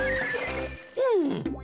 うん！